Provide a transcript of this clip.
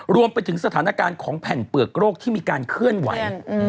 รวมไปถึงสถานการณ์ของแผ่นเปลือกโรคที่มีการเคลื่อนไหว